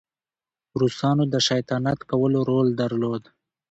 روسانو د شیطانت کولو رول درلود.